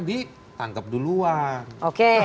ditangkep duluan oke